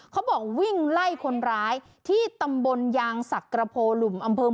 เขาบอกวิ่งไล่คนร้ายที่ตำบลยางสักกระโพลุม